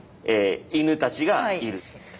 犬たちがいる。